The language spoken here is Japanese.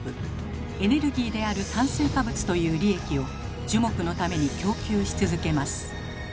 エネルギーである「炭水化物」という利益を樹木のために供給し続けます。